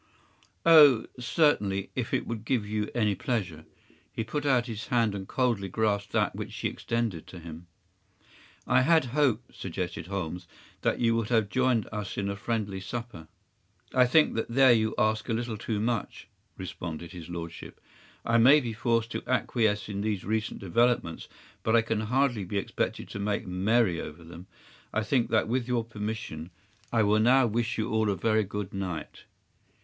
” “Oh, certainly, if it would give you any pleasure.” He put out his hand and coldly grasped that which she extended to him. “I had hoped,” suggested Holmes, “that you would have joined us in a friendly supper.” “I think that there you ask a little too much,” responded his lordship. “I may be forced to acquiesce in these recent developments, but I can hardly be expected to make merry over them. I think that, with your permission, I will now wish you all a very good night.